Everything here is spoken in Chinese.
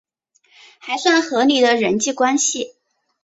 还算合理的人际关系